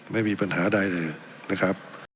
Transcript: ไม่มีปัญหาใดเลยนะครับ